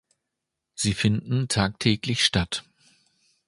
Sie finden tagtäglich statt.